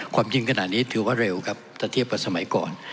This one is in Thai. ความจริงขนาดนี้ถือว่าเร็วครับถ้าเทียบกับสมัยก่อน